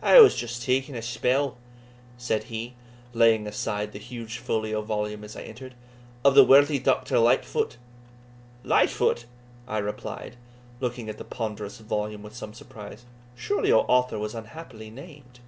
"I was just taking a spell," said he, laying aside the huge folio volume as I entered, "of the worthy Doctor Lightfoot." "Lightfoot!" I replied, looking at the ponderous volume with some surprise; "surely your author was unhappily named."